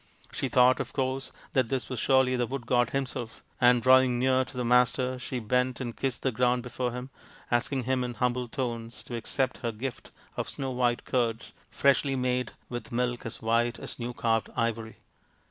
She thought, of course, that this was surely the wood god himself, and drawing near to the Master she bent and kissed the ground before him, asking him in humble tones to accept her gift of snow white curds freshly made with milk as white as new carved ivory.